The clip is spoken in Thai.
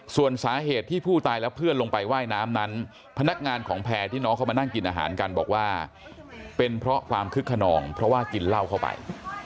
ส่วนสาเหตุที่ผู้ตายและเพื่อนลงไปว่ายน้ำนั้นพนักงานของแพร่ที่น้องเข้ามานั่งกินอาหารกันบอกว่าเป็นเพราะความคึกขนองเพราะว่ากินเหล้าเข้าไป